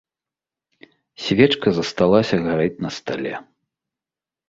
Свечка засталася гарэць на стале.